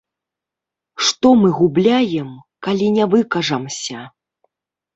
Што мы губляем, калі не выкажамся?